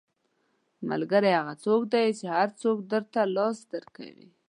• ملګری هغه څوک دی چې هر وخت درته لاس درکوي.